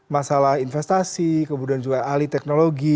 masalah investasi kemudian juga ahli teknologi